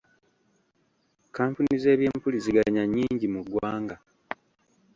Kkampuni z'ebyempuliziganya nnyingi mu ggwanga.